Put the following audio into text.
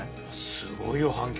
すごいよ反響！